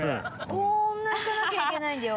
こんな行かなきゃいけないんだよ！